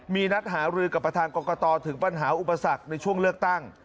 มีนัดหารือกับประธานกรกตถึงปัญหาอุปสรรคในช่วงเลือกตั้ง